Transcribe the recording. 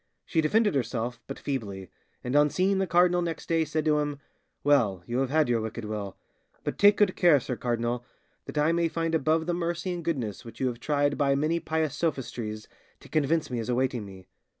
She defended herself but feebly, and on seeing the cardinal next day said to him, 'Well, you have had your wicked will; but take good care, sir cardinal, that I may find above the mercy and goodness which you have tried by many pious sophistries to convince me is awaiting me.